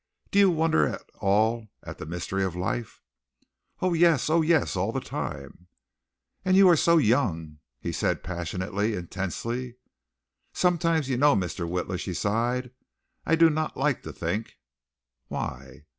"Do you wonder at all at the mystery of life?" "Oh, yes; oh, yes! All the time." "And you are so young!" he said passionately, intensely. "Sometimes, you know, Mr. Witla," she sighed, "I do not like to think." "Why?"